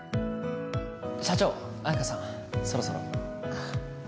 社長、綾華さん、そろそろ。